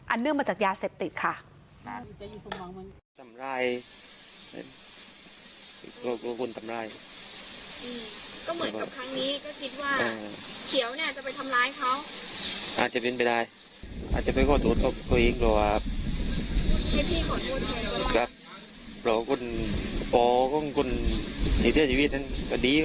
อันเนื่องมาจากยาเซตติกค่ะ